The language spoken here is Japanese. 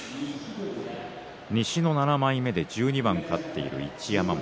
西の７枚目で１２番勝っている一山本。